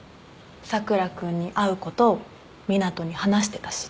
佐倉君に会うこと湊斗に話してたし。